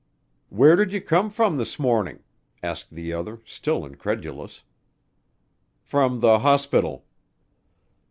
"Where did you come from this morning?" asked the other, still incredulous. "From the hospital."